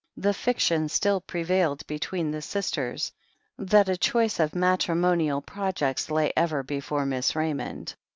The fiction still prevailed between the sisters that a choice of matrimonial projects lay ever before Miss Raymond.